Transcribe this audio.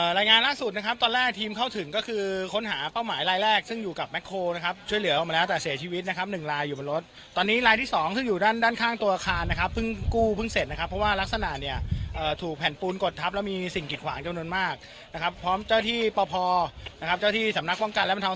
เอ่อรายงานล่าสุดนะครับตอนแรกทีมเข้าถึงก็คือค้นหาเป้าหมายรายแรกซึ่งอยู่กับแมคโครนะครับช่วยเหลือออกมาแล้วแต่เสียชีวิตนะครับหนึ่งลายอยู่บนรถตอนนี้ลายที่สองซึ่งอยู่ด้านด้านข้างตัวอาคารนะครับเพิ่งกู้เพิ่งเสร็จนะครับเพราะว่ารักษณะเนี่ยเอ่อถูกแผ่นปูนกฎทัพแล้วมีสิ่งกิจขวางเจ้านั้นมาก